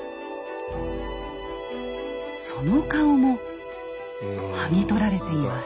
その顔もはぎ取られています。